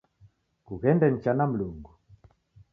Kughende nicha na Mlungu